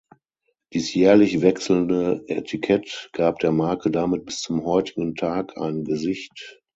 Dies jährlich wechselnde Etikett gab der Marke damit bis zum heutigen Tag ein Gesicht.